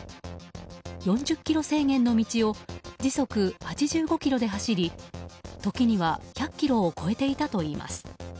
４０キロ制限の道を時速８５キロで走り時には、１００キロを超えていたといいます。